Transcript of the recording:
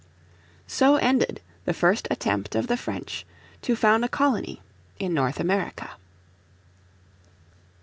So ended the first attempt of the French to found a colony in North America.